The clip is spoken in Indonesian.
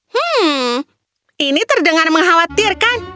hmm ini terdengar mengkhawatirkan